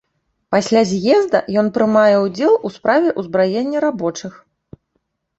Пасля з'езда ён прымае ўдзел у справе ўзбраення рабочых.